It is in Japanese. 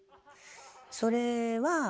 それは。